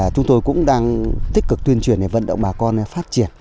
chúng tôi cũng đang tích cực tuyên truyền để vận động bà con phát triển